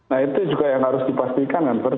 nah itu juga yang harus dipastikan kan